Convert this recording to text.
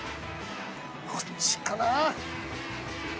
こっちかな！？